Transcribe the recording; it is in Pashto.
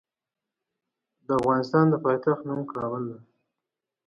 د افغانستان د پايتخت نوم کابل دی.